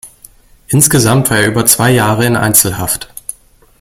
Insgesamt war er über zwei Jahre in Einzelhaft.